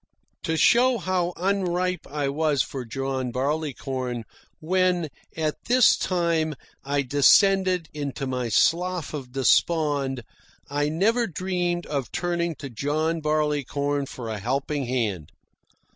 To show how unripe I was for John Barleycorn, when, at this time, I descended into my slough of despond, I never dreamed of turning to John Barleycorn for a helping hand.